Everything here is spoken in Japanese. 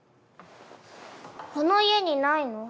この家にないの？